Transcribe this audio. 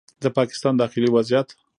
د پاکستان داخلي وضعیت